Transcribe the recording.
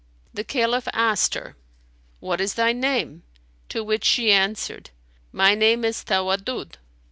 The Caliph asked her, "What is thy name?"; to which she answered, "My name is Tawaddud."